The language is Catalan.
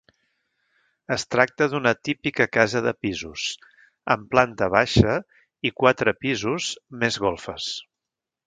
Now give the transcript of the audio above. Es tracta d'una típica casa de pisos, amb planta baixa i quatre pisos més golfes.